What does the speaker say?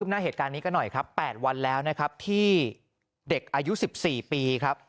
หน้าเหตุการณ์นี้ก็หน่อยครับ๘วันแล้วนะครับที่เด็กอายุ๑๔ปีครับ